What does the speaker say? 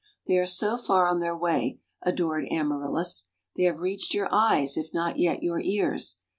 They are so far on their way, adored Amaryllis. They have reached your eyes, if not yet your ears.